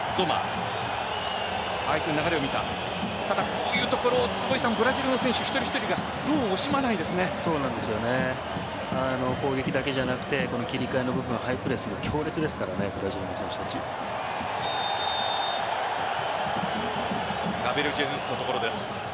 こういうところブラジルの選手が一人一人が攻撃だけじゃなくて切り替えの部分ハイプレスも強力ですからねガブリエル・ジェズスのところです。